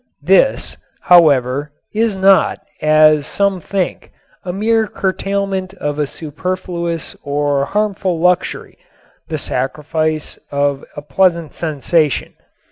This, however, is not, as some think, the mere curtailment of a superfluous or harmful luxury, the sacrifice of a pleasant sensation.